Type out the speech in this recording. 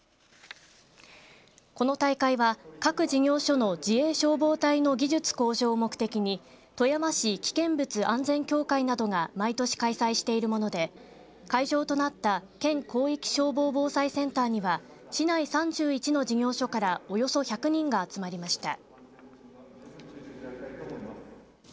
この大会は、各事業所の自衛消防隊の技術向上を目的に富山市危険物安全協会などが毎年開催しているもので会場となった県広域消防防災センターには市内３１の事業所からおよそ１００人が集まりました。